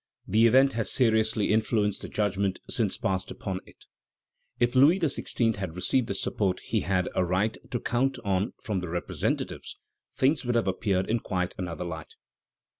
The event has seriously influenced the judgment since passed upon it. If Louis XVI. had received the support he had a right to count on from the representatives, things would have appeared in quite another light.